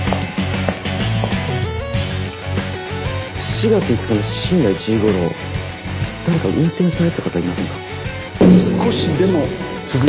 ４月５日の深夜１時ごろ誰か運転されてた方いませんか？